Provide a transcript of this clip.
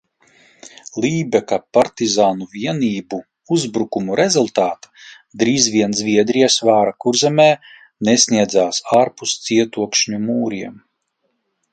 Lībeka partizānu vienību uzbrukumu rezultātā drīz vien Zviedrijas vara Kurzemē nesniedzās ārpus cietokšņu mūriem.